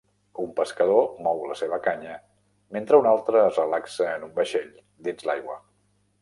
Un pescador mou la seva canya mentre un altre es relaxa en un vaixell dins l'aigua.